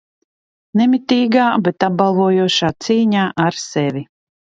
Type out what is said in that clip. Nemitīgā, bet apbalvojošā cīņā ar sevi.